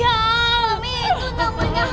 aami itu namanya hantu